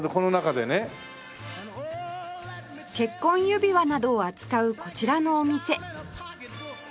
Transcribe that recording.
結婚指輪などを扱うこちらのお店